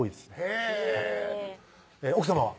へぇ奥さまは？